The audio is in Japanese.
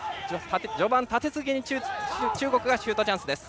序盤、立て続けに中国がシュートチャンスです。